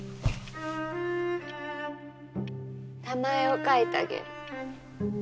名前を書いたげる。